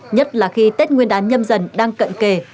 nhất là khi tết nguyên đán nhâm dần đang cận kề